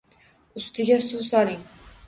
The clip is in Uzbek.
Ustiga suv soling